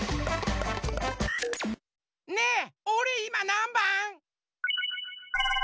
ねえおれいまなんばん？